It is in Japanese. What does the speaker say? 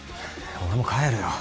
俺も帰るよ。